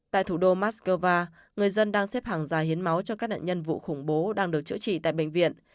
tại thủ đô moscow người dân đang xếp hàng dài hiến máu cho các nạn nhân vụ khủng bố đang được chữa trị tại bệnh viện